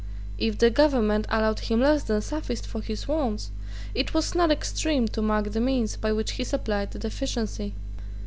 If the government allowed him less than sufficed for his wants, it was not extreme to mark the means by which he supplied the deficiency.